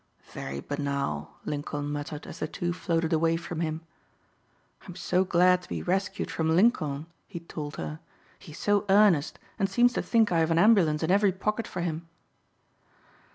"Very banal," Lincoln muttered as the two floated away from him. "I'm so glad to be rescued from Lincoln," he told her. "He is so earnest and seems to think I have an ambulance in every pocket for him."